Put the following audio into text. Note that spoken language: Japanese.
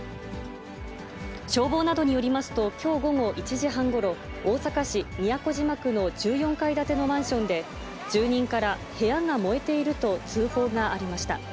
消防などによりますと、きょう午後１時半ごろ、大阪市都島区の１４階建てのマンションで、住人から部屋が燃えていると通報がありました。